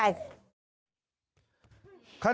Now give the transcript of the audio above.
ไม่ใกล้